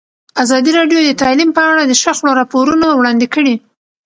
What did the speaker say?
ازادي راډیو د تعلیم په اړه د شخړو راپورونه وړاندې کړي.